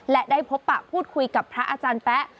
และได้พบปะพูดคุยกับพระอาจารย์แป๊ะ